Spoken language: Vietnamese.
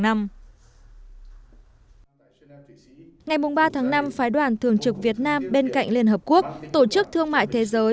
ngày ba tháng năm phái đoàn thường trực việt nam bên cạnh liên hợp quốc tổ chức thương mại thế giới